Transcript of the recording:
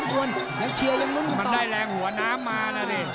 เป็นได้แรงหัวน้ำมานะที่